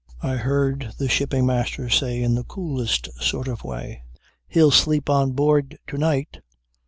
I heard the Shipping Master say in the coolest sort of way: "He'll sleep on board to night."